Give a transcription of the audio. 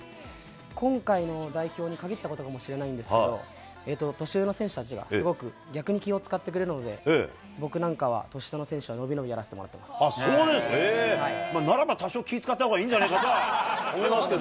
今回の代表に限ったことかもしれないんですが、年上の選手たちがすごく逆に気を遣ってくれるので、僕なんかは、年下の選手は伸び伸びやらせてもらってます。そう。ならば多少、気を遣ったほうがいいんじゃないかと思いますけどね。